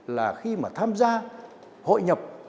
là khi mà tham gia hội nhập